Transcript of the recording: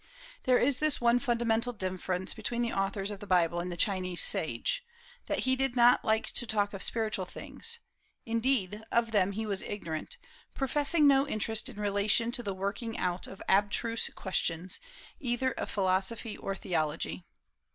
There is this one fundamental difference between the authors of the Bible and the Chinese sage, that he did not like to talk of spiritual things; indeed, of them he was ignorant, professing no interest in relation to the working out of abstruse questions, either of philosophy or theology.